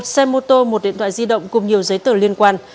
một xe mô tô một điện thoại di động cùng nhiều giấy tờ liên quan